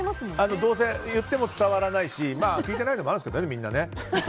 どうせ言っても伝わらないしみんなが聞いてないのもあるんですけどね。